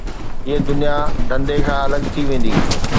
هيءَ دنيا ڌنڌي کان الڳ ٿي ويندي